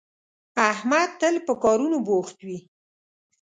احمد تل په کارونو بوخت وي